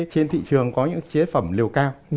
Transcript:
trên thị trường có những chế phẩm liều cao